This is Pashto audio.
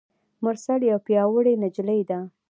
مرسل یوه پیاوړي نجلۍ ده.